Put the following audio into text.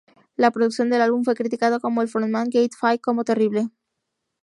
La producción del álbum fue criticada por el frontman Keith Fay como "terrible.